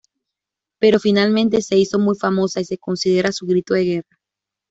Pero finalmente se hizo muy famosa y se considera su grito de guerra.